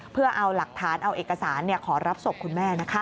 เพื่อเอาหลักฐานเอาเอกสารขอรับศพคุณแม่